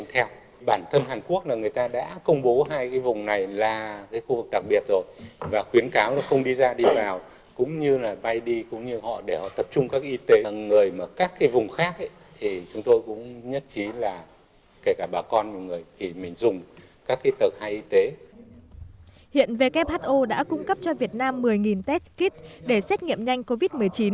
hiện who đã cung cấp cho việt nam một mươi test kit để xét nghiệm nhanh covid một mươi chín